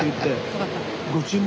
分かった。